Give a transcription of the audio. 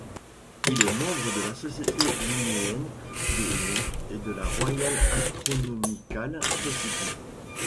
Il est membre de la Société linnéenne de Londres et la Royal Astronomical Society.